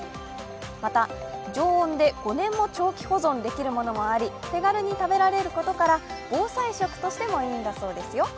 また、常温で５年も長期保存できるものもあり手軽に食べられることから、防災食としてもいいんだそうですよ。